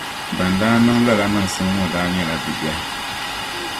Ban daa niŋ lala niŋsim ŋɔ daa nɛyla bibiɛhi.